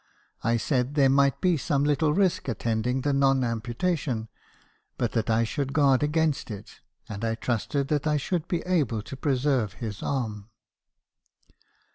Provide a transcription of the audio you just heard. I said that there might be some little risk attending the non amputation; but that I should guard against it, and I trusted that I should be able to preserve his arm.